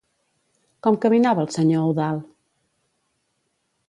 Com caminava el senyor Eudald?